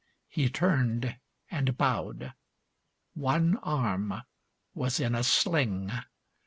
He turned and bowed. One arm was in a sling.